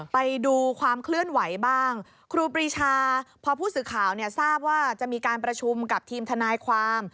ไปดูความเคลื่อนไหวบ้างครูปรีชาพอผู้สื่อข่าวเนี่ยทราบว่าจะมีการประชุมกับทีมทนายความ